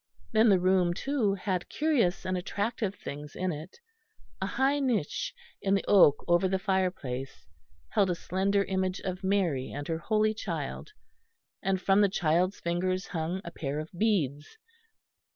Then the room, too, had curious and attractive things in it. A high niche in the oak over the fireplace held a slender image of Mary and her Holy Child, and from the Child's fingers hung a pair of beads.